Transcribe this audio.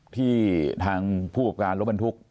ที่ทางผู้กับการรถบรรทุก